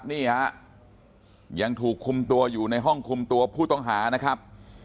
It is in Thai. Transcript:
นี่ฮะยังถูกคุมตัวอยู่ในห้องคุมตัวผู้ต้องหานะครับ